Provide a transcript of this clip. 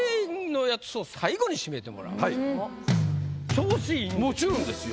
調子いいんですよ。